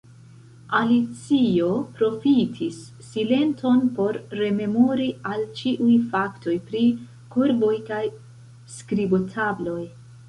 Alicio profitis silenton por rememori al ĉiuj faktoj pri korvoj kaj skribotabloj.